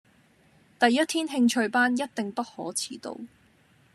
第一天興趣班一定不可遲到